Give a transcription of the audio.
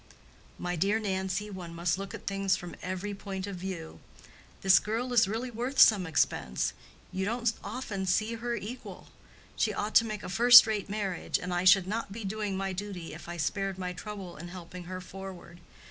"My dear Nancy, one must look at things from every point of view. This girl is really worth some expense: you don't often see her equal. She ought to make a first rate marriage, and I should not be doing my duty if I spared my trouble in helping her forward.